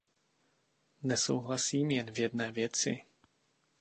Nesouhlasím jen v jedné věci.